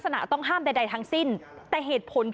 ทีนี้จากรายทื่อของคณะรัฐมนตรี